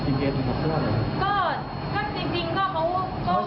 ก็จริงก็เขาชอบเราแหละแต่ว่าเรามีสัตว์ตัวแล้วมีลูกแล้วเขาก็คงไม่ยอม